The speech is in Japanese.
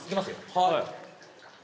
はい。